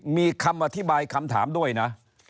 มีคำอธิบายคำถามด้วยนะ